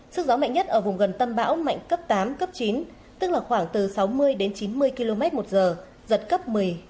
sức gió mạnh nhất ở vùng gần tâm bão mạnh cấp tám cấp chín tức là khoảng từ sáu mươi đến chín mươi km một giờ giật cấp một mươi một mươi một mươi một